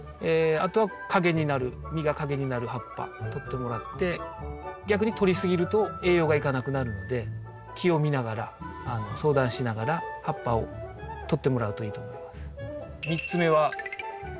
あとは陰になる実が陰になる葉っぱとってもらって逆にとり過ぎると栄養がいかなくなるので木を見ながら相談しながら葉っぱをとってもらうといいと思います。